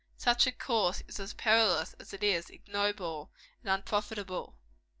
Such a course is as perilous as it is ignoble and unprofitable.